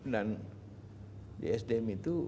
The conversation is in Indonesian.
dan sdm itu